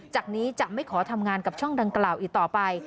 จากนี้จะไม่ขอทำงานกับช่องดังกล่าวอีกต่อไป